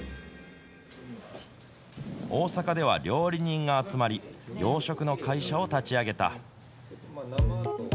大阪では料理人が集まり、養殖の会社を立ち上げた。